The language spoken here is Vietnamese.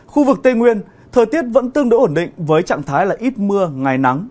khu vực tây nguyên thời tiết vẫn tương đối ổn định với trạng thái là ít mưa ngày nắng